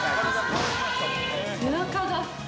背中が。